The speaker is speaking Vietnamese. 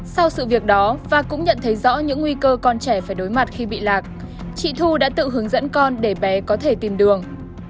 sau sự việc đó và cũng nhận thấy rõ những nguy cơ con trẻ phải đối mặt khi bị lạc chị thu đã tự hướng dẫn con để bé có thể tìm đường